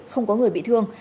không có người bị thương